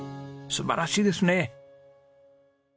素晴らしいですね。